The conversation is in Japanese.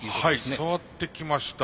はい触ってきました。